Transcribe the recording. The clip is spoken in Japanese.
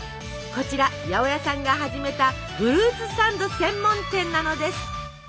こちら八百屋さんが始めたフルーツサンド専門店なのです。